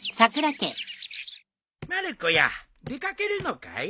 ・まる子や出掛けるのかい？